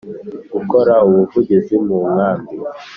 Gukora ubuvugizi mu nkambi